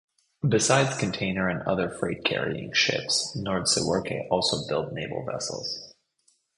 Besides container and other freight-carrying ships Nordseewerke also built naval vessels.